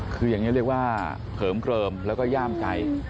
คืออย่างนี้เรียกว่าเหิมเกลิมแล้วก็ย่ามใจ